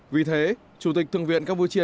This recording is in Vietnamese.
vì thế chủ tịch thượng viện campuchia